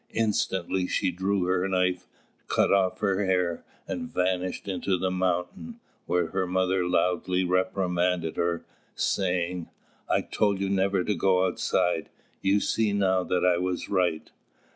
Instantly, she drew her knife, cut off her hair, and vanished into the mountain, where her mother loudly reprimanded her, saying, "I told you never to go outside; you see now that I was right.